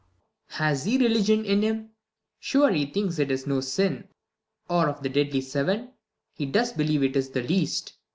Has he religion in him 1 sure he thinks It is no sin, or of the deadly seven He does believe it is the least.